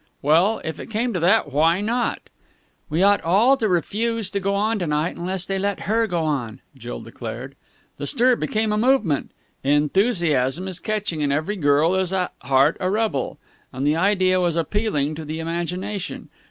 Well, if it came to that, why not? "We ought all to refuse to go on to night unless they let her go on!" Jill declared. The stir became a movement. Enthusiasm is catching, and every girl is at heart a rebel. And the idea was appealing to the imagination.